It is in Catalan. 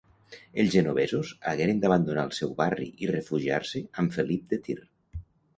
Els genovesos hagueren d'abandonar el seu barri i refugiar-se amb Felip de Tir.